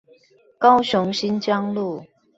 高雄新疆路